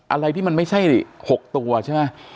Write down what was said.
อะไรที่มันไม่ใช่๖ตัวใช่ไหม